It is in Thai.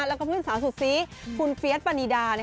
แล้วก็เพื่อนสาวสุดซีคุณเฟียสปานีดา